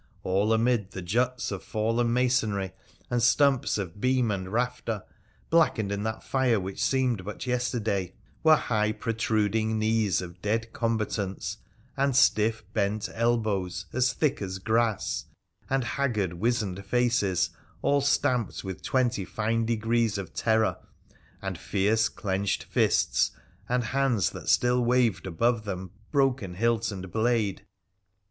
— all amid the juts of fallen masonry and stumps of beam and rafter, blackened in that fire which seemed but yesterday, were high, protruding knees of dead combatants, and stiff bent elbows, as thick as grass ; and haggard, wizened faces, all stamped with twenty fine degrees of terror ; and fierce clenched fists, and hands that still waved above them broken hilt and blade.